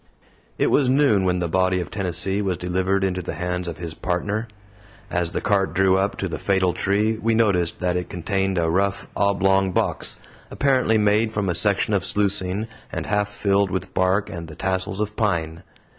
It was noon when the body of Tennessee was delivered into the hands of his Partner. As the cart drew up to the fatal tree, we noticed that it contained a rough, oblong box apparently made from a section of sluicing and half filled with bark and the tassels of pine.